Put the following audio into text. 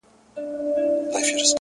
پاس توتكۍ راپسي مه ږغـوه؛